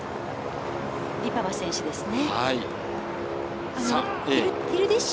ディババ選手ですね。